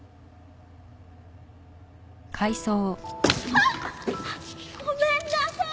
ああっ！ごめんなさい。